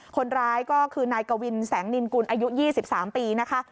คนร้ายก็คือนายกวินแสงนินกุลอายุ๒๓ปีนะคะ